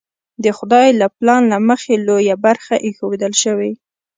د خدای له پلان له مخې لویه برخه ایښودل شوې.